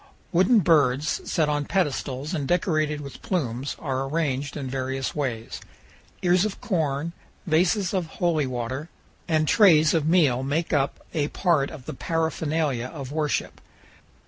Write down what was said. Wooden birds, set on pedestals and decorated with plumes, are arranged in various ways. Ears of corn, vases of holy water, and trays of meal make up a part of the paraphernalia of worship.